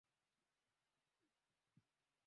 mawimbi ya sauti yanasafiri kwa sumaku umeme